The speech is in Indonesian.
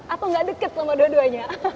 atau nggak dekat sama dua duanya